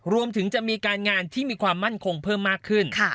รวมถึงจะมีการงานที่มีความมั่นคงเพิ่มมากขึ้น